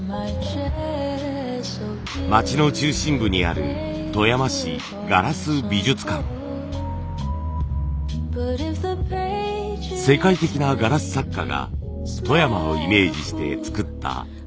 町の中心部にある世界的なガラス作家が富山をイメージして作った大作。